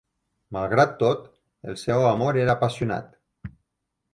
Malgrat tot, el seu amor era apassionat.